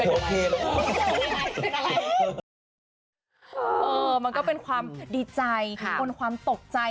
มันก็เป็นความดีใจบนความตกใจ